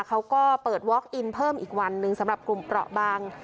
เขาก็เปิดวอคอินเพิ่มอีกวันหนึ่งสำหรับกลุ่มเปราะบาง